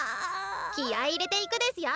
気合い入れていくですよ！